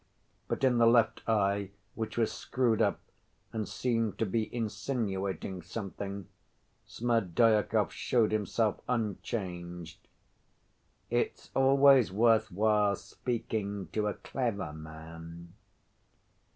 But in the left eye, which was screwed up and seemed to be insinuating something, Smerdyakov showed himself unchanged. "It's always worth while speaking to a clever man."